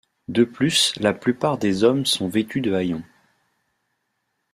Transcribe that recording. De plus la plupart des hommes sont vêtus de haillons.